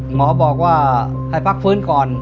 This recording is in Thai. หมอบอกว่าให้พักฟื้นก่อน